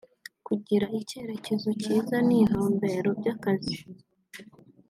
kugira icyerekezo cyiza n’intumbero by’akazi